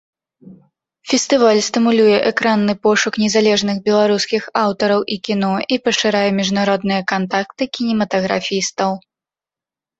Фестываль стымулюе экранны пошук незалежных беларускіх аўтараў і кіно і пашырае міжнародныя кантакты кінематаграфістаў.